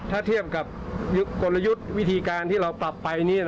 ถ้าเทียบกับกลยุทธ์วิธีการที่เราปรับไป